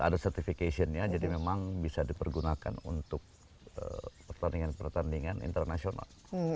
ada certification nya jadi memang bisa dipergunakan untuk pertandingan pertandingan internasional